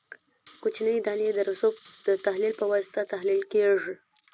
کوچنۍ دانې د رسوب د تحلیل په واسطه تحلیل کیږي